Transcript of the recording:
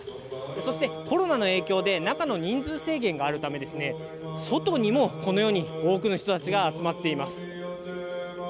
そして、コロナの影響で、中の人数制限があるためですね、外にもこのように、多くの人たちが集まっています。